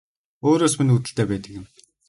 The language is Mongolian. Өөрөөс минь үүдэлтэй байдаг юм